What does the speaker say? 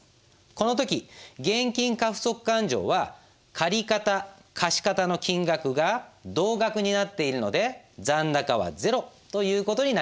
この時現金過不足勘定は借方貸方の金額が同額になっているので残高はゼロという事になります。